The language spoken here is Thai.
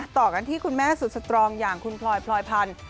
ต่อกันที่คุณแม่สุดสตรองอย่างคุณพลอยพลอยพันธุ์